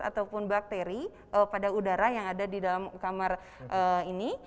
ataupun bakteri pada udara yang ada di dalam kamar ini